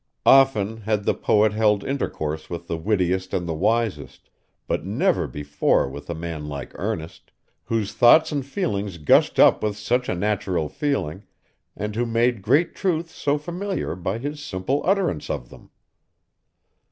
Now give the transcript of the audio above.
Often had the poet held intercourse with the wittiest and the wisest, but never before with a man like Ernest, whose thoughts and feelings gushed up with such a natural feeling, and who made great truths so familiar by his simple utterance of them.